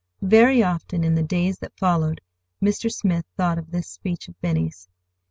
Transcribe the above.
Very often, in the days that followed, Mr. Smith thought of this speech of Benny's.